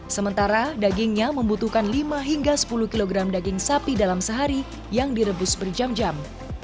sementara dagingnya membutuhkan lima hingga sepuluh kg daging sapi dalam sehari yang direbus berjam jam